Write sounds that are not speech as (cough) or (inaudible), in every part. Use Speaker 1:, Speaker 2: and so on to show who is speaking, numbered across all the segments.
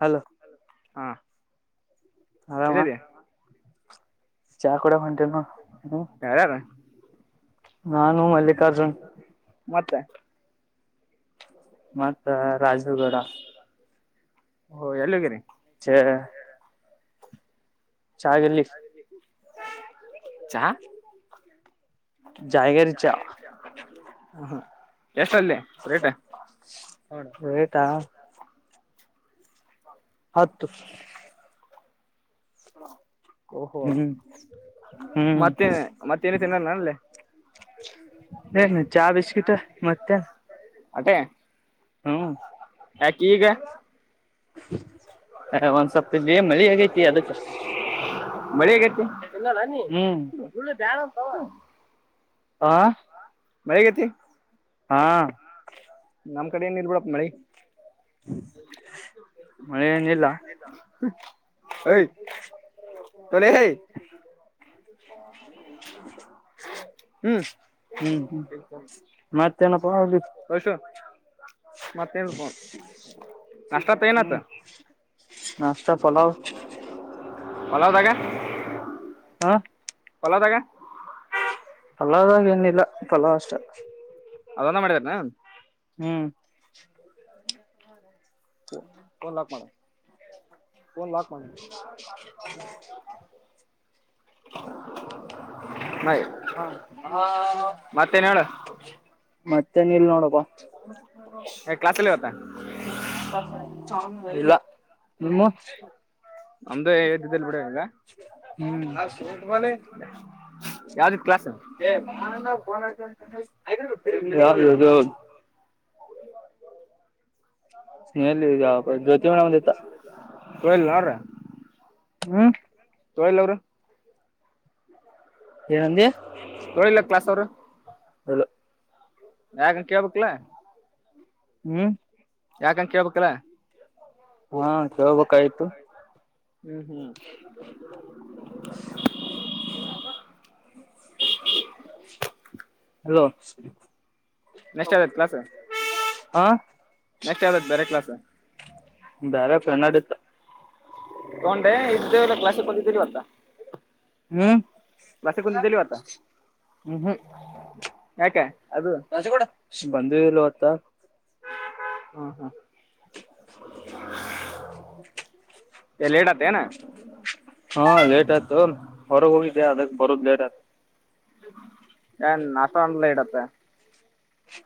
Speaker 1: Hello.
Speaker 2: ಹಾ
Speaker 1: ಆರಾಮ
Speaker 2: ಎಲ್ಲಿದೆ.
Speaker 1: ಚಾ ಕುಡ್ಯಕ್ ಹೊಂಟಿನ್ ಹ.
Speaker 2: ಯಾರ್ಯಾರ
Speaker 1: ನಾನು ಮಲ್ಲಿಕಾರ್ಜುನ್
Speaker 2: ಮತ್ತೆ
Speaker 1: ಮತ್ತ ರಾಜುಗೌಡ.
Speaker 2: ಓ ಎಲ್ಲಿಗ್ರೀ.
Speaker 1: ಚ ಚಾಗಲ್ಲಿ
Speaker 2: ಚಾ
Speaker 1: ಜಾಯಗರಿ ಚಾ
Speaker 2: ಎಷ್ಟ ಅಲ್ಲಿ ರೇಟ್ ಹ.
Speaker 1: ರೇಟಾ ಹತ್ತು
Speaker 2: (inaudible) ಓಹೋ
Speaker 1: ಹ್ಮ್ ಹ್ಮ್
Speaker 2: ಮತ್ತೇನೆ ಮತ್ತೇನ ತಿನ್ನಲ್ಲ ಅಲ್ಲಿ.
Speaker 1: ಏನು ಚಾ ಬಿಸ್ಕಿಟ್ ಮತ್ತೆ.
Speaker 2: ಅಟೆ
Speaker 1: ಹ್ಮ
Speaker 2: ಯಾಕ್ ಈಗ.
Speaker 1: ಹ ಒಂದ್ಸಪ್ತ ಇದ ಮಳಿ ಆಗೈತಿ ಅದಕ್ಕ.
Speaker 2: ಮಳಿ ಆಗೈತಿ.
Speaker 1: ಆ
Speaker 2: ಮಳಿ ಆಗೈತಿ.
Speaker 1: ಹಾ
Speaker 2: ನಮ್ಮ್ ಕಡೆ ಏನ್ ಇರ್ಬಿಡಪ್ಪ ಮಳಿ.
Speaker 1: ಮಳೆಏನಿಲ್ಲ.
Speaker 2: ಏಯ್ ತೊಲೆ
Speaker 1: (inaudible)
Speaker 2: ಹೇಯ್ ಹ್ಮ್
Speaker 1: ಹ್ಮ್ ಮತ್ತೇನಪ್ಪಾ ಅಲ್ಲಿ
Speaker 2: ಹಸು ಮತ್ತೆಳ್ಪೆಕು
Speaker 1: ಹ್ಮ್ ನಾಷ್ಟ ಪಲಾವ್.
Speaker 2: ಪಲಾವ್ದಾಗ
Speaker 1: ಹ
Speaker 2: ಪಲಾವ್ದಾಗ
Speaker 1: ಫಲಾವಾದಾಗ ಏನಿಲ್ಲ ಫಲಾವ್ ಅಷ್ಟ.
Speaker 2: ಅದುನೆ ಮಾಡಿದಾರನ.
Speaker 1: ಹ್ಮ್
Speaker 2: ಡೊರ್ ಲಾಕ ಮಾಡ. ಡೊರ್ ಲಾಕ್ ಮಾಡ್.
Speaker 1: ಹ
Speaker 2: ಮತ್ತೇನ್ ಹೇಳು
Speaker 1: ಮತ್ತೆ ಮತ್ತೆ ಏನಿಲ್ ನೋಡಪ್ಪ.
Speaker 2: ಕ್ಲಾಸಲ್ಲಿ ಇವತ್ತ
Speaker 1: ಇಲ್ಲ ನಿಮ್ಮ.
Speaker 2: ನಮ್ದು ಇದ್ದಿದ್ದಿಲ್ ಬಿಡ ಈಗ
Speaker 1: ಹ್ಮ್
Speaker 2: ಯಾವ್ದಿತ್ ಕ್ಲಾಸ್
Speaker 1: (unintelligible) (inaudible) ಸ್ನಹಲ್ಗ ಜ್ಯತಿ ಮೇಡಂದತ್ತ.
Speaker 2: ತೋಳಿಲ್ ಅವ್ರ
Speaker 1: ಹ್ಮ್
Speaker 2: ಎಲ್ ಅವರು
Speaker 1: ಏನಂದಿ
Speaker 2: ನೋಡಿಲ್ಲ ಕ್ಲಾಸ್ ಅವರು.
Speaker 1: ಇಲ್ಲ
Speaker 2: ವಗಂ ಕೇಬಕ್ಲೆ.
Speaker 1: ಹ್ಮ್
Speaker 2: ಯಾಕಂಗ ಕೇಳ್ಬೇಕಲ್ಲ.
Speaker 1: ಹಾ ಕೇಳ್ಬೇಕಯ್ತು.
Speaker 2: ಹ್ಮ್ ಹ್ಮ್ (inaudible)
Speaker 1: (inaudible)
Speaker 2: ನೆಕ್ಸ್ಟ್ ಆದತ್ ಕ್ಲಸ್
Speaker 1: ಹಾ
Speaker 2: ನೆಕ್ಟ್ ಯಾವ ಬೇರೆ ಕ್ಲಾಸ್
Speaker 1: ಬೇರೆ ಫೇನಾಡ್ ಇತ್ತು
Speaker 2: ತಗೊಂಡೆ ಇದ್ದೇ ಎಲ್ಲ ಕ್ಲಾಸ್ ಹೋಗಿದ್ದೀವತ್ತ
Speaker 1: ಹ್ಮ್
Speaker 2: ಕ್ಲಾಸ್ಸಿಗೆ ಬಂದಿದಿಲ್ಲ ಇವತ್ತು
Speaker 1: ಬಂದೆ ಇಲ್ಲ ಇವತ್ತು
Speaker 2: ಹ್ಮ ಹಾ
Speaker 1: (inaudible)
Speaker 2: ಲೇಟ್ ಅದ್ದೇನು
Speaker 1: ಹಾ ಲೇಟ್ ಆಯ್ತು ಹೊರಗೆ ಹೋಗಿದ್ದೆ ಅದಕ್ಕೆ ಬರೋದ್ ಲೇಟ್ ಆಯ್ತು
Speaker 2: ಏನ್ ಅಸ್ಟೊದು ಲೇಟ್ ಆಯ್ತಾ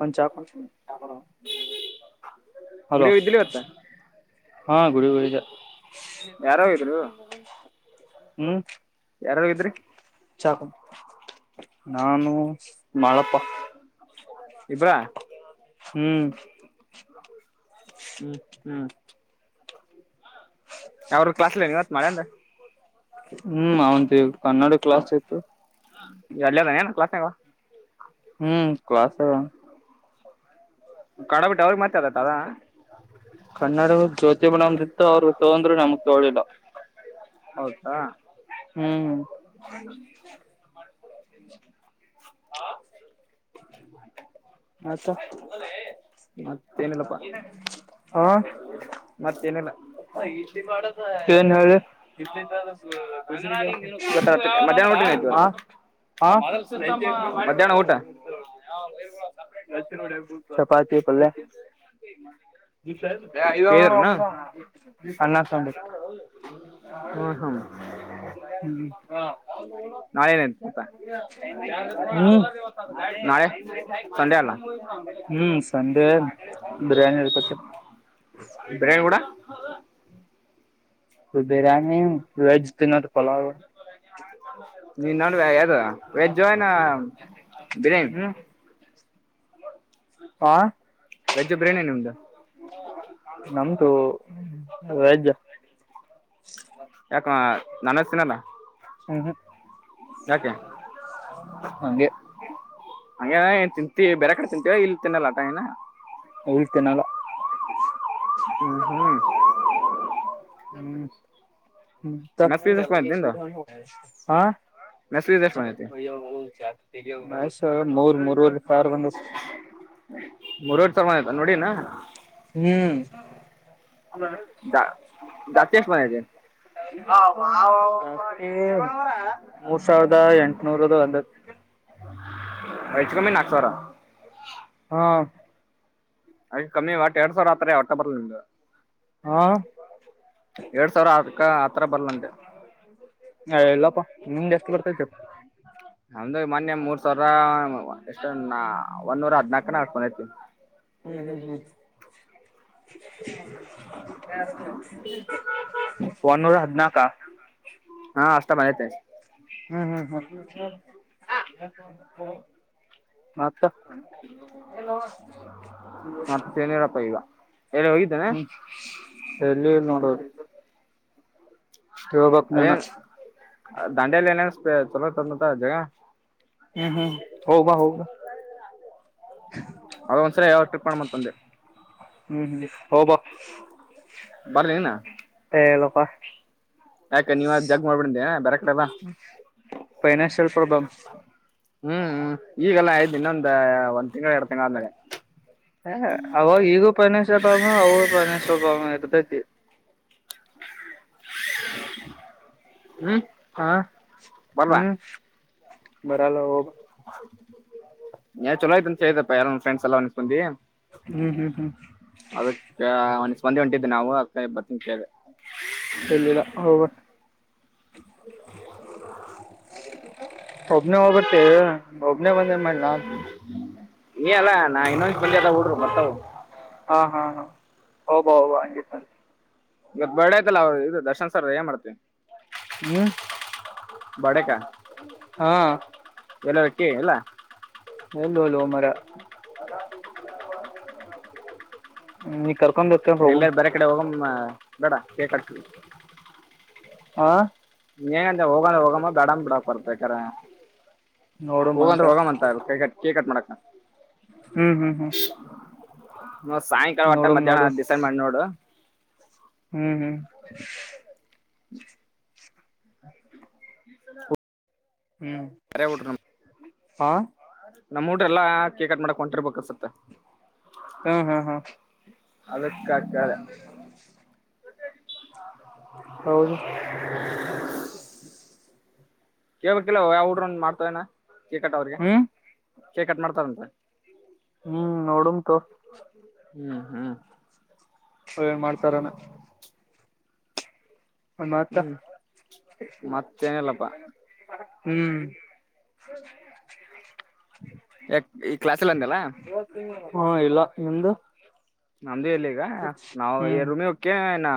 Speaker 1: ಒಂದು ಚಾ ಕೊಡು ಹಲೋ
Speaker 2: ಗುಡಿಗೆ ಹೋಗಿದ್ದಿಲ್ಲ ಇವತ್ತ
Speaker 1: ಹಾ ಗುಡಿ ಹೋಗಿದೆ
Speaker 2: ಯಾರೋ ಇದ್ರು
Speaker 1: ಹ್ಮ್
Speaker 2: ಯಾರ್ಯಾರು ಹೋಗಿದ್ರಿ
Speaker 1: ಚಾ ಕೊಡು ನಾನು ಮಾಳಪ್ಪ
Speaker 2: ಇಬ್ರಾ
Speaker 1: ಹ್ಮ್
Speaker 2: ಹ್ಮ್ ಯಾವರು ಕ್ಲಾಸ್ಲ್ಲಿ ಏನ ಇವತ್ ಮಾಡೆ ಅಂದ
Speaker 1: ಹ್ಮ್ ಅವಂತ ಕನ್ನಡ ಕ್ಲಾಸ್ ಇತ್ತು
Speaker 2: ತವ
Speaker 1: ಹ್ಮ್ ಕ್ಲಾಸ ಅವ
Speaker 2: ಕಡಬಿಟ್ಟು ಅವ್ರಿಗೆ ಮತ್ತ ಅದತ್ ಅದ
Speaker 1: ಕನ್ನಡ ಜ್ಯೋತಿ ಮೇಡಂ ಇತ್ತು ಅವ್ರಗ ತೊಂಕೊಂಡ್ರು ನಮಗ್ ತಕೊಂಡಿಲ್ಲ
Speaker 2: ಹೌದಾ
Speaker 1: ಹ್ಮ್
Speaker 2: ಹ
Speaker 1: ಮತ್
Speaker 2: ಮತ್ತೇನಿಲ್ಲಪ್ಪಾ ಮತ್ತೇನೆಲ್ಲ
Speaker 1: ಏನ್ ಹೇಳಿ
Speaker 2: ಮಧ್ಯಾಹ್ನ ಊಟ
Speaker 1: ಹ
Speaker 2: ಏನ್
Speaker 1: ಹ
Speaker 2: ಮಾಡಿದೆ ಮಧ್ಯಾಹ್ನ ಊಟ
Speaker 1: ಚಪಾತಿ ಪಲ್ಲೆ
Speaker 2: (unintelligible)
Speaker 1: (unintelligible) ಸಾಂಬಾರ್
Speaker 2: ಹ್ಮ ಹ್ಮ್
Speaker 1: ಹ್ಮ್ ಹ
Speaker 2: ನಾಳೆ ನಾಳೆ ಸಂಡೆ ಅಲ್ಲ
Speaker 1: ಹ್ಮ್ ಸಂಡೆ ಬಿರಿಯಾನಿ ಇರ್ಬೇಕ
Speaker 2: ಬೈರೆ ಗೌಡ (inaudible)
Speaker 1: ಬಿರಿಯಾನಿ ವೆಜ್ ತಿನ್ನದು ಪಲಾವ್
Speaker 2: ನಿನ್ ನೋಡು ಯಾವುದು ವೆಜ್ ನಬಿರಯಾನಿ
Speaker 1: ಹ್ಮ್ ಹ
Speaker 2: ವೆಜ್ ಬಿರಿಯಾನಿ ನಿಮ್ದು
Speaker 1: ನಮ್ದು ವೆಜ್
Speaker 2: ಯಾಕ ನೋನ್ ವೆಜ್ ತಿನಲ್ಲ
Speaker 1: ಹ್ಮ ಹಂಗೆ
Speaker 2: ಹ ಏನ್ ತಿಂತೀವಿ ಬೇರೆ ಕಡೆ ತಿಂತೀವ ಇಲ್ಲಿ ತಿನ್ನಲ್ಲಾಟ ಏನ
Speaker 1: ಇಲ್ಲಿ ತಿನಲ್ಲ
Speaker 2: ಹ್ಮ್ ಹ್ಮ್
Speaker 1: ಹ್ಮ್ ಹ
Speaker 2: ಮೆಸ್ ಫೀಸ್ ಎಷ್ಟ್ ಬಂದೈತಿ ನಿಂದು ಮೆಸ್ ಫೀಸ್ ಎಷ್ಟ್ ಬಂದೈತಿ
Speaker 1: ಅಯ್ಯೋ (unintelligible) ಮೂರ್ ಮೂರವರೆ ಸಾವರ್
Speaker 2: ಮೂರ್ವರ್ ಸಾವಿಮಯತ ನೋಡಿನಾ
Speaker 1: ಹ್ಮ್
Speaker 2: (unintelligible)
Speaker 1: (unintelligible) ಮೂರ್ ಸಾವಿರದ ಎಂಟನೂರ (unintelligible)
Speaker 2: ಐಚ ಕಮ್ಮಿ ನಕ್ಸವ್ರ
Speaker 1: ಹಾ
Speaker 2: ಅ ಕಮ್ಮಿ ಒಟ್ಟಟ್ ಎರಡ್ ಸಾವಿರ ಆತ್ರ ಹೊಟ್ಟ ಬರ್ಲ್ ನಿಂಬುದು
Speaker 1: ಹಾ
Speaker 2: ಎರಡ್ ಸಾವಿರ ಅದಕ್ಕ ಆತರ ಬರ್ಲಲ್ಲ ಅಂದೆ
Speaker 1: ಹ ಎಲ್ಲಪ್ಪಾ ನಿಮ್ದ ಜಾಸ್ತಿ ಬರ್ತತ್ತು
Speaker 2: ನಂದು ಮೊನ್ನೆ ಮೂರ್ ಸಾವಿರ ಎಷ್ಟ ಒಂದ್ನೋರ ಹದ್ನಾಕ್ ಏನ ಅಷ್ಟ್ ಬಂದೈತಿ
Speaker 1: ಹು ಹು ಹು ಒನ್ನೂರ ಹದಿನಾಕಾ
Speaker 2: ಹಾ ಅಷ್ಟ ಬಂದೈತಿ
Speaker 1: ಹ್ಮ್ ಹ್ಮ್ ಹ್ಮ್ ಮತ್ (unintelligible)
Speaker 2: ಮತ್ತೇನಿರಪ್ಪ ಈಗ ಎಲ್ಲಿ ಹೋಗಿದ್ದೇನೆ
Speaker 1: ಹ್ಮ್ ಎಲ್ಲಿ ನೋಡರಿ ನೀನ
Speaker 2: ಅದೇನ್ ದಾಂಡಿಯಲಿ ಏನೇನ್ ಚಲೋ ಐತಿ ಮತ ಜಗ
Speaker 1: ಹ್ಮ್ ಹ್ಮ್ ಹೋಗ್ ಬಾ ಹೋಗ್ ಬಾ (inaudible)
Speaker 2: ಅದ ಒಂದ್ಸ ಯಾವ ಟ್ರಿಪ್ ಮಾಡ ಮತ್ ಬಂದೆ
Speaker 1: ಹ್ಮ್ ಹೋಬಾ
Speaker 2: ಬರ್ ನೀನು
Speaker 1: ಎ ಇಲ್ಲಪಾ
Speaker 2: ಯಾಕ ನೀವ್ ಅ ಜಗ್ ಮಾಡ್ಬಿಡ್ದೆ ಬರ ಕಡಿ ಬ
Speaker 1: ಫೈನಾನ್ಷಿಯಲ್ ಪ್ರಾಬ್ಲಮ್
Speaker 2: ಹ್ಮ್ ಈಗೆಲ್ಲಾ ಐದ್ ಇನ್ನೊಂದ್ ಒಂದ್ ತಿಂಗಳು ಎರಡು ತಿಂಗಂಳ ಆದ್ಮೇಲೆ
Speaker 1: ಹ ಅವಾಗ ಈಗೂ ಫೈನಾನ್ಸಿಯಲ್ ಪ್ರಾಬ್ಲಮ್ ಅವೂಗು ಫೈನಾನ್ಸಿಯಲ್ ಪ್ರಾಬ್ಲಮ್ ಇರ್ತೈತಿ
Speaker 2: ಹ್ಮ್
Speaker 1: ಹಾ
Speaker 2: ಬರ್ಲ
Speaker 1: ಹ್ಮ್ ಬರಲ್ಲ ಹೋಗ
Speaker 2: ಏನ್ ಚಲೋ ಆಯ್ತಂತ ಹೇಳತಪ್ಪ ಯಾರ ಫ್ರೆಂಡ್ಸ್ ಎಲ್ಲಾ ಅನಸ್ಕೊಂಡಿ
Speaker 1: ಹ್ಮ್ ಹ್ಮ್ ಹ್ಮ್
Speaker 2: ಅದಕ್ಕೆ (unintelligible) ಒಂದೆ ಹೊಂಟಿದ್ದ್ ನಾವು ಅ ಬರ್ತಿ ಏನ್ ಅಂತ ಕೇಳ್ದೆ
Speaker 1: ಇಲ್ಲಿಲ್ಲ ಹೋಗ
Speaker 2: (unintelligible)
Speaker 1: ಒಬ್ನೇ ಹೋಗತ್ತೆ ಒಬ್ನೇ ಬಂದ್ ಏನ್ ಮಾಡ್ಲಿ ನನ್
Speaker 2: ಅಲ್ಲಾ ನಾ ಇನ್ನೊಂಡಸ್ಟ್ ಮಂದಿ ಅದರ್ ಹುಡರು ಬರ್ತವ್
Speaker 1: ಹಾ ಹಾ ಹೋಬ ಹೊಬ ಹಂಗಿತ್ತಂದ್ರೆ
Speaker 2: ಇವತ್ ಬರ್ಡ್ ಆಯ್ತಲ್ಲ ಅವ್ರು ಇದು ದರ್ಶನ್ ಸರ್ ಏನ್ ಮಾಡ್ತಿ
Speaker 1: ಹ್ಮ
Speaker 2: ಬಡೇಕ
Speaker 1: ಹಾ
Speaker 2: ಎಲ್ಲರ ಹೊಕ್ಕಿ ಇಲ್ಲ
Speaker 1: (unintelligible) ನಿ
Speaker 2: ಎಲ್ಲರ ಬೇರೆ ಕಡೆ ಹೋಗಮ್ಮ ಬೇಡ ಕೇಕ್ ಕಟ್
Speaker 1: ಹಾ
Speaker 2: ಏನಂತ ಹೋಗ ಹೋಗಂಬ ಬೇಡ ಬಿಡಕ್ ಹೊರ್ತಕ್ರ
Speaker 1: ನೋಡಮ್ ಅಂತ
Speaker 2: ಹೋಗಂದ್ರೆ ಹೋಗಮ್ ಅಂತಾ (unintelligible) ಕೇಕಟ್ ಮಾಡಕ
Speaker 1: ಹ್ಮ್ ಹ್ಮ್ ಹ್ಮ್
Speaker 2: ಸಾಯಂಕಾಲ ಒಟ್ಟ
Speaker 1: ನೋಡಮ್
Speaker 2: ಮಧ್ಯಾಹ್ನ
Speaker 1: ನೋಡು
Speaker 2: ಡಿಸೈಡ್ ಮಾಡಿ ನೋಡು
Speaker 1: ಹ್ಮ್ ಹ್ಮ್
Speaker 2: (inaudible)
Speaker 1: (unintelligible) ಹಾ
Speaker 2: ನಮ್ಮ್ ಉಡುಗುರು ಎಲ್ಲಾ ಕೇಕಟ್ ಮಾಡಕ್ ಹೊಂಟಿರ್ಬೇಕಸತ್ತ
Speaker 1: ಹಾ ಹಾ ಹಾ
Speaker 2: ಅದಕ್ಕ ಕೇಳ್ದೆ
Speaker 1: (unintelligible) ಹೌದು (unintelligible)
Speaker 2: ಕೇಳುಬೇಕುವಲ ಯಾವ ಹುಡುಗರು ಮಾಡ್ತವನ ಕೇಕ್ ಕಟ್ ಅವ್ರಿಗೆ
Speaker 1: ಹ್ಮ್
Speaker 2: ಕೇಕ್ ಮಾಡ್ತಾರಂತ
Speaker 1: ಹ್ಮ್ ನೋಡಮ ತೊ
Speaker 2: ಹ್ಮ್ ಹ್ಮ್
Speaker 1: ಅವ ಏನ್ ಮಾಡ್ತಾರಾನ ಮಾತ್ತ
Speaker 2: ಹ್ಮ್ ಮತ್ತೇನಿಲ್ಲಪ್ಪಾ
Speaker 1: ಹ್ಮ್
Speaker 2: ಯಾಕ್ ಈ ಕ್ಲಾಸಲ್ ಅಂದಲ್ಲ
Speaker 1: (unintelligible) (inaudible) ಹಾ ಇಲ್ಲ ನಿಮ್ದು
Speaker 2: ನಮ್ದು ಇಲ್ಲ ಈಗ ನಾವು ಎ
Speaker 1: ಹ್ಮ್
Speaker 2: ರೂಮಿ ಹೋಗುತೆ ಇನ್ನ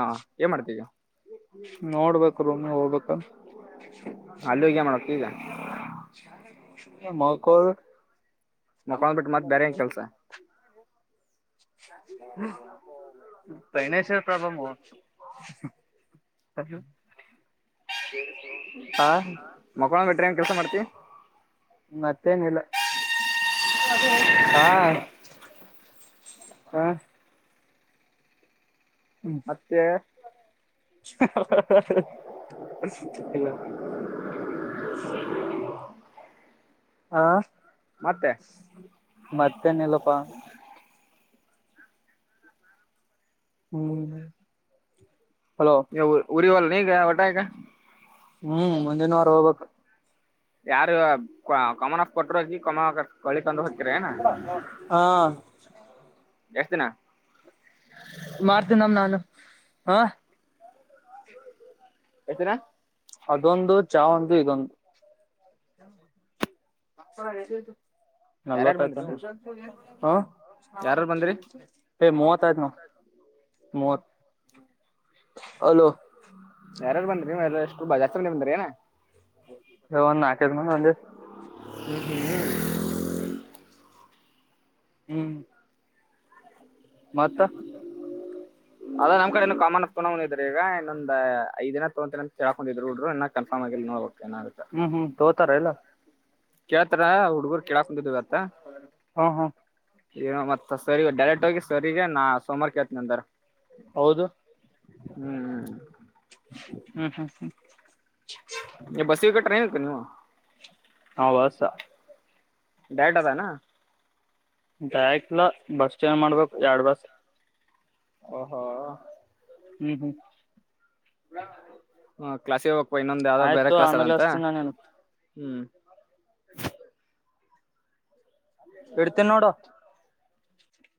Speaker 2: ಏನ್ ಮಾಡ್ತವಿ
Speaker 1: ನೋಡ್ಬೇಕು ರೂಮಿ ಹೋಗಬೇಕಲ್
Speaker 2: ಅಲ್ಲಿ ಹೋಗಿ ಏನ್ ಮಾಡ್ಬೇಕು ಈಗ
Speaker 1: ಮಲೋಕುಡು ನಮ್ಮ
Speaker 2: ಮಕ್ಕೊಂಡ್ ಬಿಟ್ಟು ಮತ್ ಬೇರೆ ಏನ್ ಕೆಲ್ಸ
Speaker 1: (unintelligible) ಹ್ಮ್ ಫಿನಿಸಿಯಲ್ ಪ್ರಾಬ್ಲಮ (unintelligible)
Speaker 2: ಮಕೋಲಂಡು ಬಿಟ್ರಿ ಹೆಂಗ ಕೆಲ್ಸ ಮಾಡ್ತಿ
Speaker 1: ಮತ್ತೇನಿಲ್ಲ (unintelligible) ಹಾ ಹಾ
Speaker 2: ಮತ್ತೆ
Speaker 1: (unintelligible) ಹೆಲೋ (inaudible) ಹಾ
Speaker 2: ಮತ್ತೆ
Speaker 1: ಮಾತೇ ಏನು ಇಲ್ಲ ಅಪ್ಪ ಹ್ಮ್ ಹಲೋ
Speaker 2: ಉಊರಿ ಹೋಗಲೇ ನೀ ವೋಟ್ ಹಾಕಾಕ
Speaker 1: ಹ್ಮ್ ಮುಂದಿನ ವಾರ ಹೋಗಬೇಕು
Speaker 2: ಯಾರು ಕಮನ ಕೊಟರು ಹೋಗಿ ಕಮಕ ಕಳಿ ತೊಂಡ ಹೋಗುತೆರ
Speaker 1: ಹಾ
Speaker 2: ಏನು------ಇಷ್ಟು ದಿನ
Speaker 1: ಹಾ
Speaker 2: ಹೇಳುತೆರ
Speaker 1: ಅದೊಂದು ಚಾ ಒಂದು ಇದೊಂದು (unintelligible)
Speaker 2: ಯಾರ್ಯಾರು
Speaker 1: ನಲವತ್ತು ಆಯ್ತು
Speaker 2: ಬಂದ್ರಿ
Speaker 1: ಏನು
Speaker 2: ನೀವು
Speaker 1: ರಿ
Speaker 2: ಯಾರಾರು ಬಂದ್ರಿ
Speaker 1: (unintelligible) ಹೇ ಮೂವ ಮೂವತ್ತು ಹೆಲೋ
Speaker 2: ಯಾರಾರು ಬಂದ್ರರಿ ಏನು ಎಷ್ಟು ಜಾಸ್ತಿ ಬಂದಿ ಏನು
Speaker 1: ನಾಕು ಐದು ಮಂಡೆ ಬೇಡ್ವೆ ಹ್ಮ್ ಮತ್ತ
Speaker 2: ಅದ ನಮ್ಮ ಕಡೆ ಇ ಕಾಮಾನ ತೊಂಡಂದಿದ್ರ ಈಗ ಇನ್ನೊಂದ್ ಐದು ದಿನ ತೊಳ್ಕಂದಿದ್ರು ಅಂತ ಹೇಳಾಡ್ತೀರು ಕನ್ಫರ್ಮ್ ಆಗೆಲ್ಲ ನೋಡಬೇಕು ಏನು ಅಡುಕ
Speaker 1: ಹ್ಮ್ ಹ್ಮ್ ತೋತಾರ ಇಲ್ಲ
Speaker 2: ಕೇಳ್ ಹತ್ರ ಹುಡುಗರು ಕೇಳ ಕುಂತಿದ
Speaker 1: ಹ್ಮ್ ಹ್ಮ್
Speaker 2: ಇವತು ಮತ್ತತ್ ಸರಿ ರಿಗೆ ಡೈರೆಕ್ಟ್ ಹೋಗಿ ಸರಿಗೆ ನಾ ಸೋಮವಾರ ಕೇಳ್ತನೆ ಅಂದಾರ
Speaker 1: ಹೌದು
Speaker 2: ಹ್ಮ್
Speaker 1: ಹ್ಮ್ ಹ್ಮ್ ಹ್ಮ್
Speaker 2: ನೀ ಬಸ್ಗೆ ಹೋಗುತೆಯ ಟ್ರೈನ್ಗೆ ಹೋಗುತೆಯ ನೆವ
Speaker 1: ನವಸ
Speaker 2: ಡೈರೆಕ್ಟ್ ಆದ ಏನೂ
Speaker 1: ಡೈರೆಕ್ಟ್ ಇಲ್ಲ ಬಸ್ ಚೇಂಜ್ ಮಾಡಬೇಕು ಎಡು ಬಸ್
Speaker 2: ಓಹೋ
Speaker 1: ಹ್ಮ್ ಹ್ಮ್
Speaker 2: ಹ ಕ್ಲಾಸ್ಿಗೆ ಹೋಗ್ಪ ಇನ್ನೊಂದ್ ಯಾವ್ದಾವ ಬೇರೆ
Speaker 1: ಆಯ್ತು
Speaker 2: ಕ್ಲಾಸ್
Speaker 1: ಆಮೇಲೆ
Speaker 2: ಅದಂತ
Speaker 1: ಹಸ್ತೀನಿ ನಾನೇನು
Speaker 2: ಹ್ಮ್
Speaker 1: ಇಡ್ತೇನೆ ನೋಡ